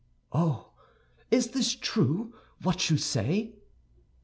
"Oh, is this true what you say?"